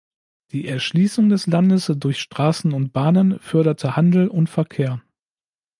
Die Erschließung des Landes durch Straßen und Bahnen förderte Handel und Verkehr.